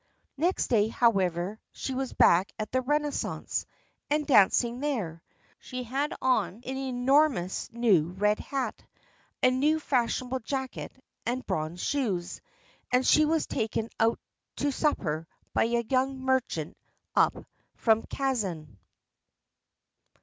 Next day, however, she was back at the "Renaissance," and dancing there. She had on an enormous new red hat, a new fashionable jacket, and bronze shoes. And she was taken out to supper by a young merchant up from Kazan.